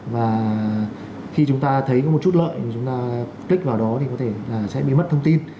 và khi chúng ta thấy có một chút lợi thì chúng ta click vào đó thì có thể sẽ bị mất thông tin